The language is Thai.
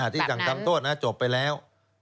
ที่สั่งทำโทษนะจบไปแล้ว